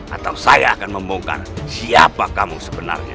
atau saya akan membongkar siapa kamu sebenarnya